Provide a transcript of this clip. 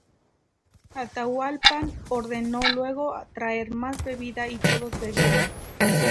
Atahualpa ordenó luego traer más bebida y todos bebieron.